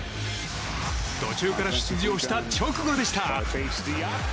途中から出場した直後でした。